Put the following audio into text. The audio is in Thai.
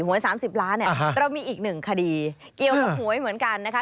หวย๓๐ล้านเนี่ยเรามีอีกหนึ่งคดีเกี่ยวกับหวยเหมือนกันนะคะ